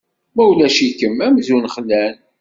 Ma ulac-ikem, amzun xlan.